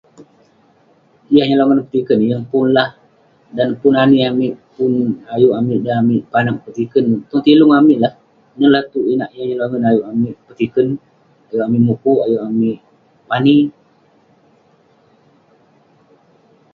Yah nyelongen petiken, yeng pun lah. Dan pun ani amik, pun ayuk amik dan amik panag petiken tong tilung amik lah. Ineh tuk inak yah nyelongen ayuk amik petiken. Ayuk amik mukuk, ayuk amik pani.